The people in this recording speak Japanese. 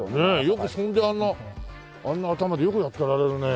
よくそれであんな頭でよくやってられるね。